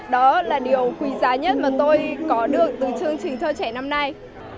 đó là điều quý giá nhất mà tôi có được từ chương trình cho trẻ năm nay